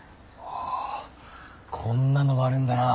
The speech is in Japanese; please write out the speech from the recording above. ああこんなのもあるんだな。